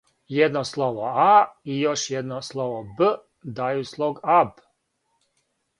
једно слово а, и још једно слово б дају слог аб.